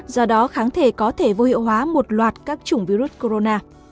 do đó kháng thể có thể vô hiệu hóa một loạt các chủng virus corona